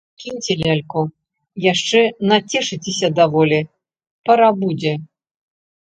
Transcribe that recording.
Кіньце ляльку, яшчэ нацешыцеся даволі, пара будзе.